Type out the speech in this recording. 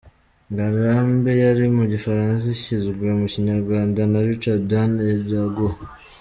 Ngarambe yari mu Gifaransa ishyizwe mu Kinyarwanda na Richard Dan Iraguha.